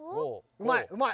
うまいうまい。